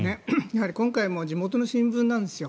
今回も地元の新聞なんですよ